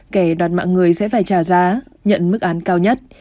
kẻ đoạt mạng người sẽ phải trả giá nhận mức án cao nhất